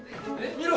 見ろ。